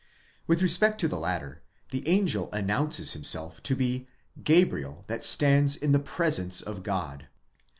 With respect to the latter, the angel announces himself to be Gabriel that stands in the presence of God.